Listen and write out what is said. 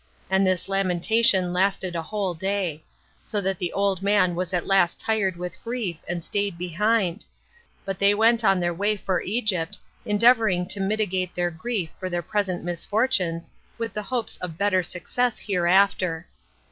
And this lamentation lasted a whole day; so that the old man was at last tired with grief, and staid behind; but they went on their way for Egypt, endeavoring to mitigate their grief for their present misfortunes, with the hopes of better success hereafter.